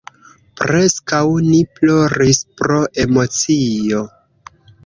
Preskaŭ ni ploris pro emocio.